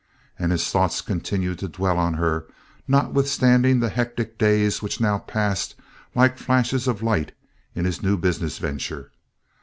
And his thoughts continued to dwell on her, notwithstanding the hectic days which now passed like flashes of light in his new business venture.